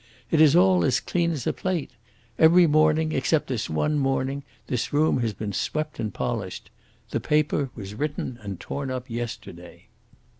It is all as clean as a plate. Every morning, except this one morning, this room has been swept and polished. The paper was written and torn up yesterday."